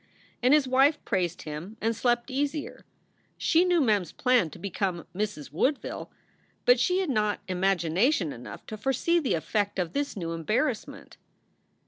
And his wife praised him and slept easier. She knew Mem s plan to become "Mrs. Woodville," but she had not imagination enough to foresee the effect of this new embarrassment.